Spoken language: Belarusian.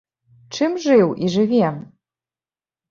Чым жыў і жыве?